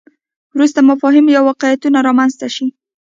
وروسته مفاهیم یا واقعیتونه رامنځته شي.